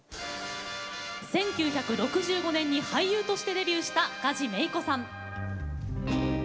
１９６５年に俳優としてデビューした梶芽衣子さん。